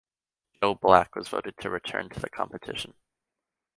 Joe Black was voted to return to the competition.